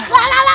lah lah lah